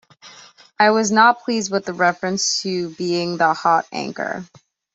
I was not pleased with the reference to being the 'hot anchor'.